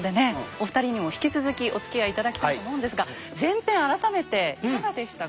お二人にも引き続きおつきあい頂きたいと思うんですが前編改めていかがでしたか？